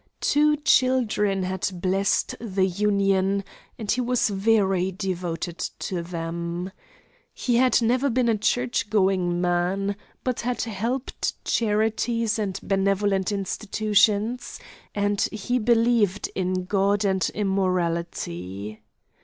Two children had blessed the union, and he was very devoted to them. He had never been a church going man, but had helped charities and benevolent institutions, and he believed in God and immortality.